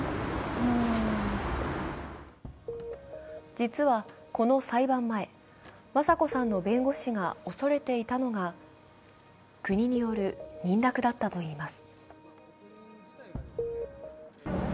実は、この裁判前、雅子さんの弁護士が恐れていたのが国による認諾だったといいます。